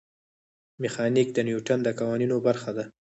میخانیک د نیوټن د قوانینو برخه ده.